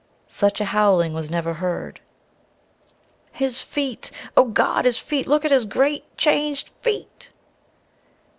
Such a howling was never heard. "His feet! Oh, Gawd, his feet! Look at his great changed feet!"